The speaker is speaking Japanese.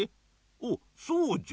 おっそうじゃ。